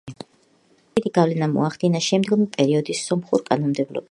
მან დიდი გავლენა მოახდინა შემდგომი პერიოდის სომხურ კანონმდებლობაზე.